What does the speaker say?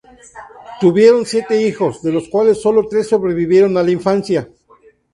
Tuvieron siete hijos, de los cuales sólo tres sobrevivieron a la infancia.